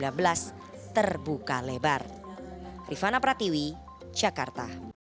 maka peluang yusuf kalla untuk mendampingi jokowi pada pilpres dua ribu sembilan belas terbuka lebar